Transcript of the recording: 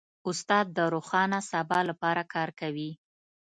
استاد د روښانه سبا لپاره کار کوي.